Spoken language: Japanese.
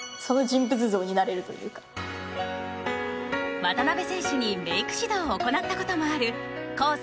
渡辺選手にメイク指導を行った事もあるＫＯＳ